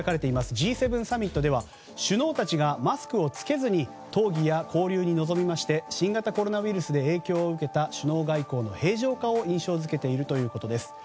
Ｇ７サミットでは首脳たちがマスクを着けずに討議や交流に臨みまして新型コロナウイルスで影響を受けた首脳外交の平常化を印象付けているということです。